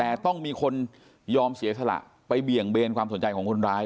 แต่ต้องมีคนยอมเสียสละไปเบี่ยงเบนความสนใจของคนร้าย